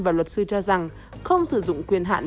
và luật sư cho rằng không sử dụng quyền hạn